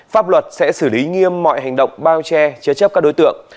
pháp luật sẽ xử lý nghiêm mọi hành động bao che chế chấp các đối tượng